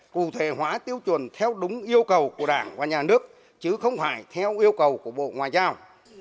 cụ thể hóa tiêu chuẩn theo đúng yêu cầu của đảng và nhà nước chứ không phải theo yêu cầu của bộ ngoại giao